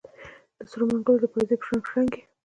د سرو منګولو د پایزیب شرنګ، شرنګ یې